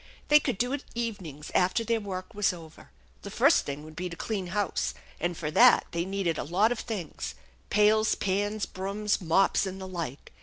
They could do it evenings after their work was over. The first thing would be to clean house, and for that they needed a lot of things, pails, pans, brooms, mops and the like.